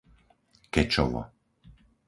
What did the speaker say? Kečovo